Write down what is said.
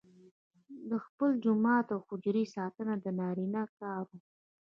د خپل جومات او حجرې ساتنه د نارینه کار وو.